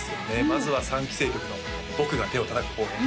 まずは３期生曲の「僕が手を叩く方へ」